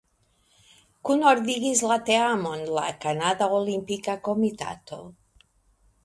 Kunordigis la teamon la Kanada Olimpika Komitato.